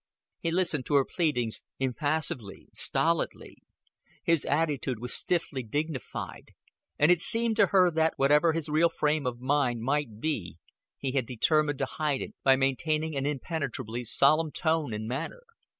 He listened to her pleadings impassively, stolidly; his attitude was stiffly dignified, and it seemed to her that, whatever his real frame of mind might be, he had determined to hide it by maintaining an impenetrably solemn tone and manner.